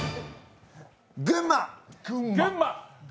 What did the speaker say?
群馬！